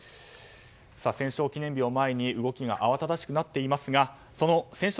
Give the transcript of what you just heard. さあ、戦勝記念日を前に動きが慌ただしくなっていますがその戦勝